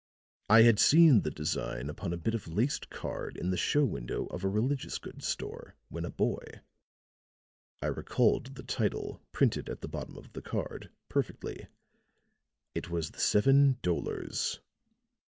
I had seen the design upon a bit of laced card in the show window of a religious goods store, when a boy. I recalled the title, printed at the bottom of the card, perfectly. It was 'The Seven Dolors.'